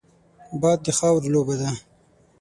باد د خاورو لوبه ده